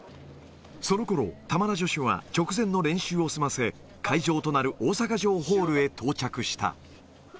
そのころ、玉名女子は直前の練習を済ませ、会場となる大阪城ホールへ到着した。